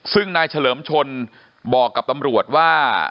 ซึ่งนายเฉลิมชนบอกกับตำรวจว่า